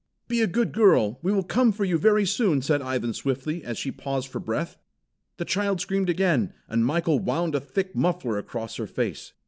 "Be a good girl! We will come for you very soon," said Ivan swiftly, as she paused for breath. The child screamed again, and Michael wound a thick muffler across her face.